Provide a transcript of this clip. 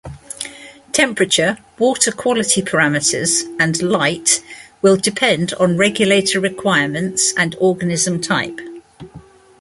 Temperature, water quality parameters and light will depend on regulator requirements and organism type.